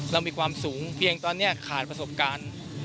เรามีความสูงเพียงตอนนี้ขาดประสบการณ์